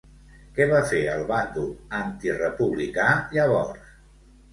Què va fer el bàndol antirepublicà llavors?